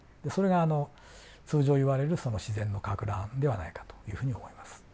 それがあの通常いわれる自然のかく乱ではないかというふうに思います。